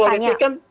motif politik kan